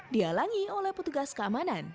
dialangi oleh petugas keamanan